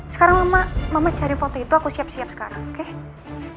sekarang mama cari foto itu aku siap siap sekarang oke